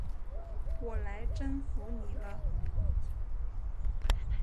我来征服你了！